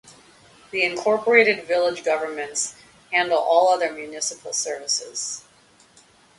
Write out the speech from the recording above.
The incorporated village governments handle all other municipal services.